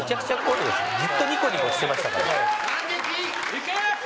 ・いけ！